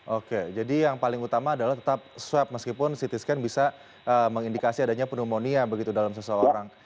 oke jadi yang paling utama adalah tetap swab meskipun ct scan bisa mengindikasi adanya pneumonia begitu dalam seseorang